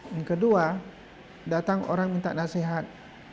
yang kedua datang orang minta nasihat